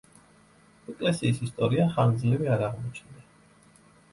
ეკლესიის ისტორია ხანგრძლივი არ აღმოჩნდა.